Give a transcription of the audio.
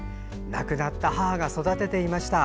亡くなった母が育てていました。